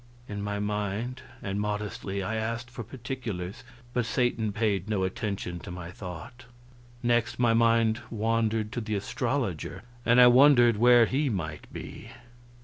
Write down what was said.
In my mind and modestly I asked for particulars, but Satan paid no attention to my thought. Next, my mind wandered to the astrologer, and I wondered where he might be.